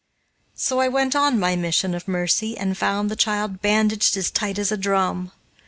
So I went on my mission of mercy and found the child bandaged as tight as a drum.